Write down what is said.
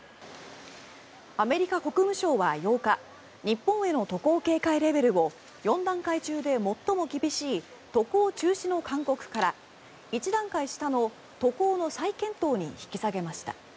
アメリカ国務省は８日日本への渡航警戒レベルを４段階中で最も厳しい渡航中止の勧告から１段階下の渡航の再検討に引き下げました。